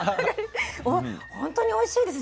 ほんとにおいしいです。